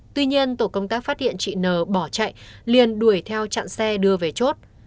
tuy nhiên tổ công tác phát hiện chị n bỏ chạy liền đuổi theo chặn xe đưa về chốt